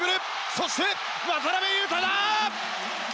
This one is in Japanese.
そして、渡邊雄太だ！